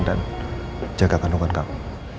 dan jaga kandungan kamu